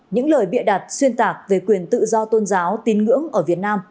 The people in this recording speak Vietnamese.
những lời bịa đặt xuyên tạc về quyền tự do tôn giáo tín ngưỡng ở việt nam